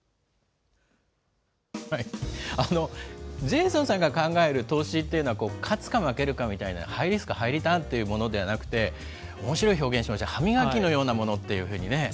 ジェイソンさんが考える投資っていうのは、勝つか負けるかみたいな、ハイリスクハイリターンというようなものではなくて、おもしろい表現しましたね、歯磨きのようなものっていうふうにね。